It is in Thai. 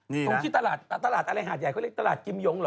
ตรงที่ตลาดตลาดอะไรหาดใหญ่เขาเรียกตลาดกิมยงเหรอ